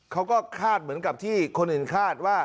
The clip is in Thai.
เขาก็คาดเหมือนกับที่คนอื่นคาดว่า